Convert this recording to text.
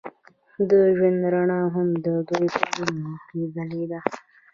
د ژوند رڼا هم د دوی په زړونو کې ځلېده.